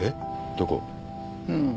どこ？